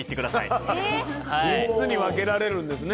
３つに分けられるんですね。